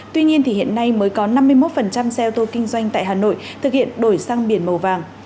tuy nhiên thì hiện nay mới có năm mươi một xe ô tô kinh doanh tại hà nội thực hiện đổi sang biển màu vàng